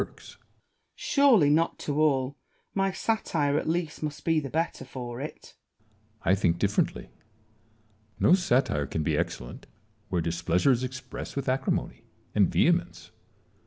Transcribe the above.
Surely not to all : my satire at least must be the better for it. Salomon. I think differently. No satire can be excel lent where displeasure is expressed with acrimony and vehemence.